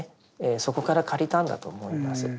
そこから借りたんだと思います。